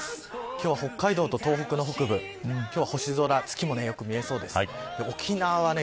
今日は、北海道と東北の北部星空、月もよく見えそうです。